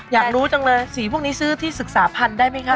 อยากรู้จังเลยสีพวกนี้ซื้อที่ศึกษาพันธุ์ได้ไหมคะ